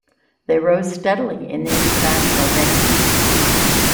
They rose steadily in the international rankings.